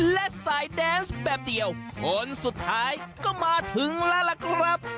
และสายแดนส์แบบเดียวคนสุดท้ายก็มาถึงแล้วล่ะครับ